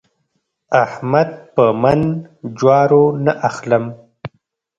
احمد په من جوارو نه اخلم.